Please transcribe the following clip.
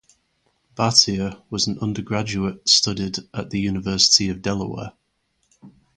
Bhatia was an undergraduate studied at the University of Delaware.